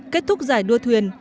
kết thúc giải đua thuyền